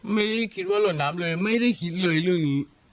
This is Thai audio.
ไม่ได้คิดว่าหล่นน้ำเลยไม่ได้คิดเลยเรื่องนี้